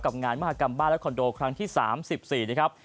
งานมหากรรมบ้านและคอนโดครั้งที่๓๔นะครับ